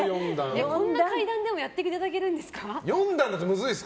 こんな階段でもやっていただけるんですか。